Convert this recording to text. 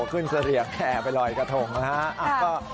ขึ้นเสรียงแหละไปลอยกระทงนะครับ